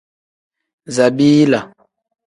Zabiila.